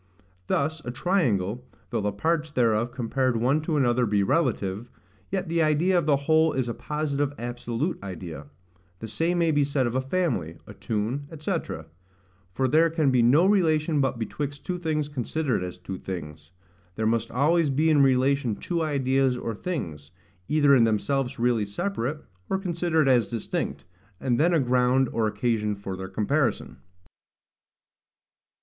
Thus a triangle, though the parts thereof compared one to another be relative, yet the idea of the whole is a positive absolute idea. The same may be said of a family, a tune, &c. for there can be no relation but betwixt two things considered as two things. There must always be in relation two ideas or things, either in themselves really separate, or considered as distinct, and then a ground or occasion for their comparison.